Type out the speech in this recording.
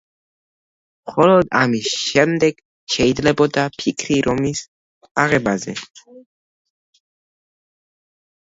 მხოლოდ ამის შემდეგ შეიძლებოდა ფიქრი რომის აღებაზე.